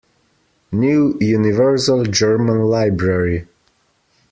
New Universal German Library.